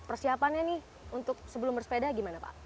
persiapannya nih untuk sebelum bersepeda gimana pak